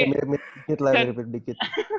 dikit lah lebih dikit